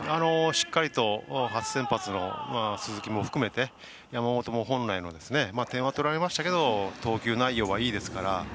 しっかりと、初先発の鈴木も含めて山本も本来の、点は取られましたが投球内容はいいですから。